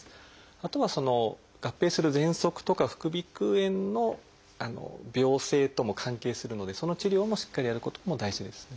あとは合併するぜんそくとか副鼻腔炎の病勢とも関係するのでその治療もしっかりやることも大事ですね。